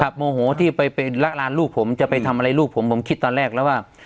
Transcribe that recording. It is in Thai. โมโหที่ไปละลานลูกผมจะไปทำอะไรลูกผมผมคิดตอนแรกแล้วว่า